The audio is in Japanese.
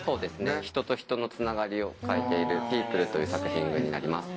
人と人のつながりを描いている『ＰＥＯＰＬＥ』という作品群になります。